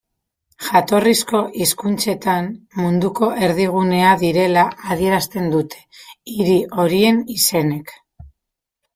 Jatorrizko hizkuntzetan, munduko erdigunea direla adierazten dute hiri horien izenek.